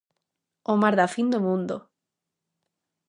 O mar da fin do mundo.